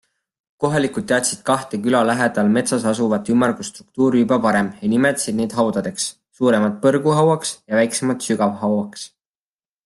Kohalikud teadsid kahte küla lähedal metsas asuvat ümmargust struktuuri juba varem ja nimetasid neid haudadeks - suuremat Põrguhauaks ja väiksemat Sügavhauaks.